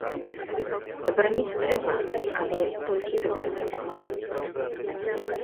Забараніць трэба, але толькі забараніць мала.